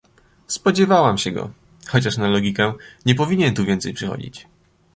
Spodziewałam się go, chociaż na logikę, nie powinien tu więcej przychodzić.